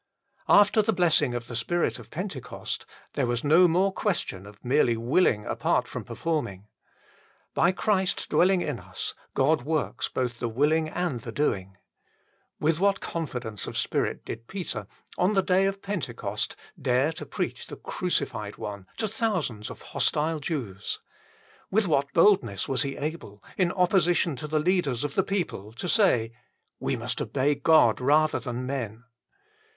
After the blessing of the Spirit of Pentecost, there was no more question of merely willing apart from performing. By Christ dwelling in us God works both the willing and the doing. With what confidence of spirit did Peter on the day of Pentecost dare to preach the Crucified One to thousands of hostile Jews. With what boldness was he able, in opposition to the leaders of the people, to say :" We must obey God rather than men."